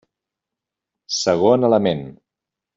Segon element.